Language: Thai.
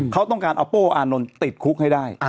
เขาต้องการเอาโป้อานนท์ติดคุกให้ได้